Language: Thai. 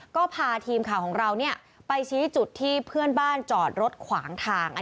ก็พาทีมข่าวของเราไปชี้จุดที่เพื่อนบ้านจอดรถขวางทาง